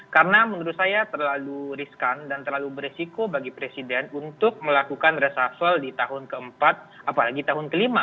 karena menurut saya terlalu riskan dan terlalu beresiko bagi presiden untuk melakukan reshuffle di tahun keempat apalagi tahun kelima